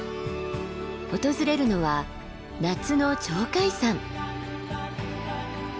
訪れるのは夏の鳥海山。